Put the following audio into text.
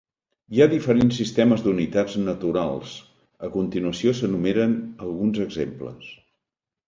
Hi ha diferents sistemes d'unitats naturals, a continuació s'enumeren alguns exemples.